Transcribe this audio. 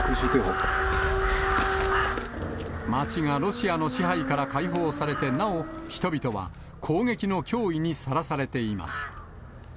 町がロシアの支配から解放されてなお、人々は攻撃の脅威にさらされています。